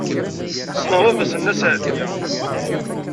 Ssneɣ baba-s n Nna Seɛdiya.